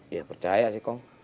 ya percaya sih kong